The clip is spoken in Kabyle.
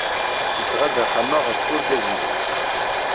Nesɣa-d axxam-a ɣef urgaz-nni.